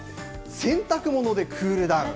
洗濯物でクールダウン。